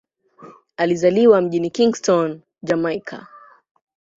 Alizaliwa mjini Kingston, Jamaika.